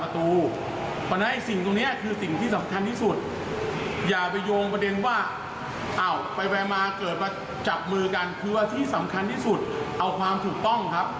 ที่สุดเอาความถูกต้องครับ